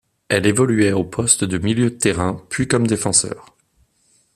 Elle évoluait au poste de milieu de terrain puis comme défenseur.